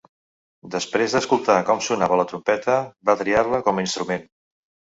Després d'escoltar com sonava la trompeta, va triar-la com a instrument.